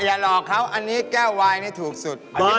อย่าหลอกเขาอันนี้แก้ววายนี่ถูกสุด